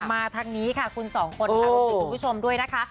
มาทางนี้ค่ะคุณสองคนคุณผู้ชมด้วยนะคะ